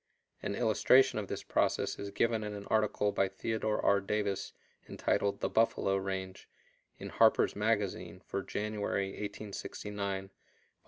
An illustration of this process is given in an article by Theodore R. Davis, entitled "The Buffalo Range," in Harper's Magazine for January, 1869, Vol.